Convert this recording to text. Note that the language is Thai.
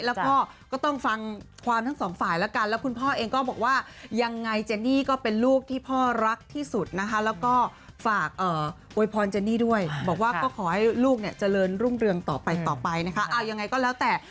เอายังไงก็แล้วแต่